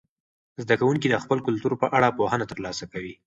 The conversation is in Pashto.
زده کوونکي د خپل کلتور په اړه پوهنه ترلاسه کوي.